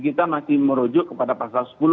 kita masih merujuk kepada pasal sepuluh kak wawang